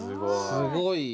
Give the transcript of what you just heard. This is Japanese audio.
すごい。